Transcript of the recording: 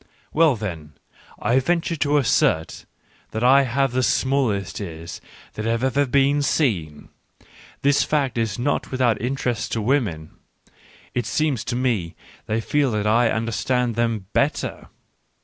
Well then, I venture to assert that I have the smallest ears that have ever been seen. This fact is not without interest to women — it seems to me they feel that I understand them better